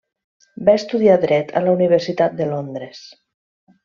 Va estudiar dret a la Universitat de Londres.